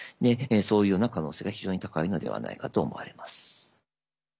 そういうような可能性が非常に高いのではないかと思われます。